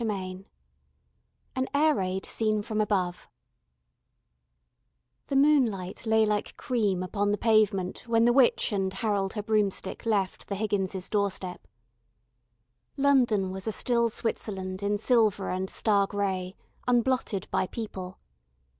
CHAPTER VI AN AIR RAID SEEN FROM ABOVE The moonlight lay like cream upon the pavement when the witch and Harold her broomstick left the Higgins' doorstep. London was a still Switzerland in silver and star grey, unblotted by people.